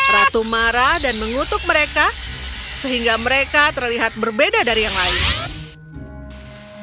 ratu marah dan mengutuk mereka sehingga mereka terlihat berbeda dari yang lain